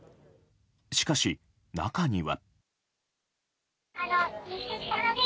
しかし、中には。